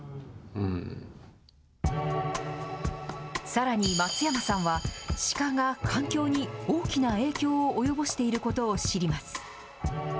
さらに、松山さんは、鹿が環境に大きな影響を及ぼしていることを知ります。